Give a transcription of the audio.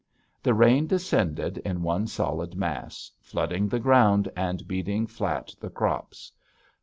The rain descended in one solid mass, flooding the ground and beating flat the crops.